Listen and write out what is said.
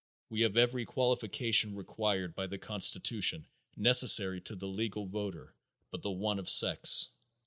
We have every qualification required by the constitution necessary to the legal voter but the one of sex.